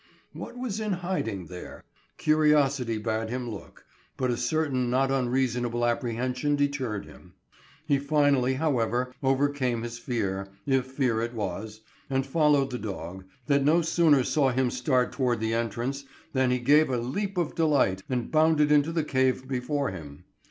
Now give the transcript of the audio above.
What was in hiding there? Curiosity bade him look, but a certain not unreasonable apprehension deterred him. He finally, however, overcame his fear, if fear it was, and followed the dog, that no sooner saw him start toward the entrance than he gave a leap of delight and bounded into the cave before him.